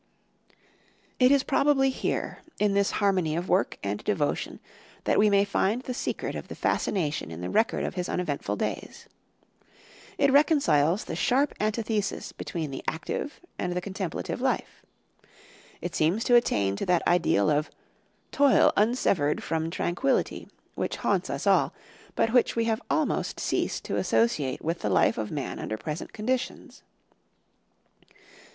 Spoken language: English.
" It is probably here, in this harmony of work and devotion, that we may find the secret of the fascination in the record of his uneventful days. It reconciles the sharp antithesis between the active and the contemplative life. It seems to attain to that ideal of "toil unsever'd from tranquillity" which haunts us all, but which we have almost ceased to associate with the life of man under present conditions.